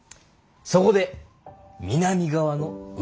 そこで南側の海だ。